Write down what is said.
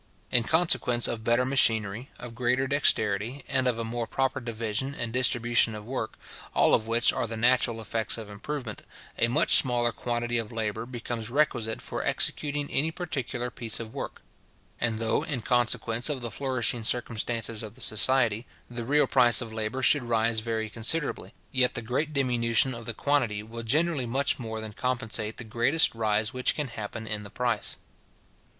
In consequence of better machinery, of greater dexterity, and of a more proper division and distribution of work, all of which are the natural effects of improvement, a much smaller quantity of labour becomes requisite for executing any particular piece of work; and though, in consequence of the flourishing circumstances of the society, the real price of labour should rise very considerably, yet the great diminution of the quantity will generally much more than compensate the greatest rise which can happen in the price.